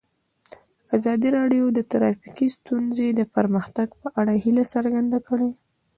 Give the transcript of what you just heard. ازادي راډیو د ټرافیکي ستونزې د پرمختګ په اړه هیله څرګنده کړې.